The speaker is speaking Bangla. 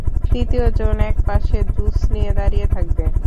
তৃতীয় জন এক পাশে জুস নিয়ে দাঁড়িয়ে থাকবে।